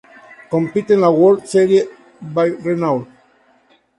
Compite en la World Series by Renault.